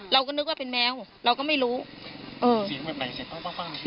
เราก็นึกว่าเป็นแมวเราก็ไม่รู้เออเสียงแบบไหนเสร็จเขาก็